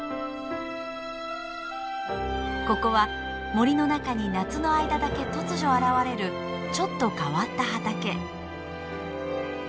ここは森の中に夏の間だけ突如現れるちょっと変わった畑。